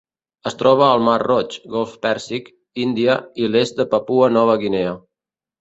Es troba al Mar Roig, Golf Pèrsic, Índia i l'est de Papua Nova Guinea.